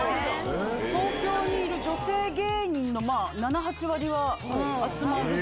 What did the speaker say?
東京にいる女性芸人の７８割は集まる。